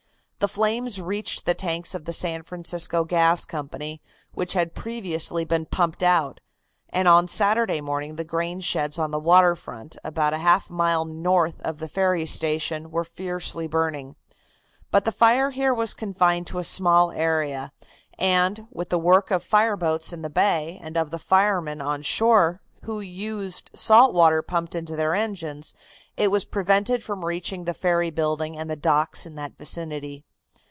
The flames reached the tanks of the San Francisco Gas Company, which had previously been pumped out, and on Saturday morning the grain sheds on the water front, about half a mile north of the ferry station, were fiercely burning. But the fire here was confined to a small area, and, with the work of fireboats in the bay and of the firemen on shore, who used salt water pumped into their engines, it was prevented from reaching the ferry building and the docks in that vicinity.